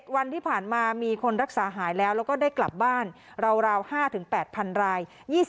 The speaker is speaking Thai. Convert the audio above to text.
วันที่ผ่านมามีคนรักษาหายแล้วแล้วก็ได้กลับบ้านราว๕๘๐๐๐ราย